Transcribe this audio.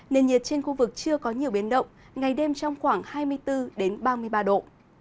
nền nhiệt trên khu vực chưa có nhiều biến động ngày đêm trong khoảng hai mươi bốn ba mươi ba độ